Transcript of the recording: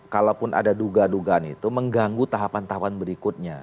kalaupun ada duga dugaan itu mengganggu tahapan tahapan berikutnya